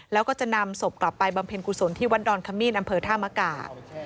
แล้วก็จะนำศพกลับไปบำเพ็ญกุศลที่วัดดอนขมีนอำเภอธามกา